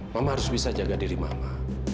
mama harus bisa jaga diri mama